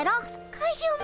カジュマ！